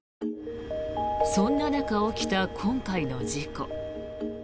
そんな中起きた今回の事故。